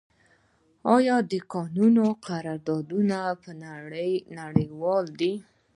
آیا د کانونو قراردادونه نړیوال دي؟